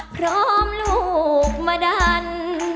พร้อมลูกมาดัน